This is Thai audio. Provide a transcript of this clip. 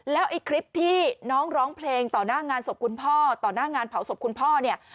แล้วไอ้คลิปที่น้องร้องเพลงต่อหน้างานศพคุณพ่อต่อหน้างานเผาศพคุณพ่อเนี่ย